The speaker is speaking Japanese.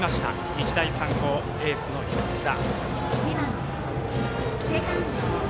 日大三高、エースの安田。